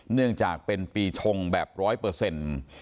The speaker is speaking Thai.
เนื่องจากเป็นปีชงแบบร้อยเปอร์เซ็นต์